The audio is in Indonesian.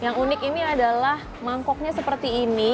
yang unik ini adalah mangkoknya seperti ini